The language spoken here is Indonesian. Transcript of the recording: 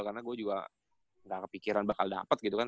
karena gue juga nggak kepikiran bakal dapet gitu kan